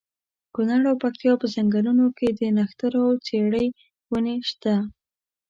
کونړ او پکتیا په ځنګلونو کې د نښترو او څېړۍ ونې شته.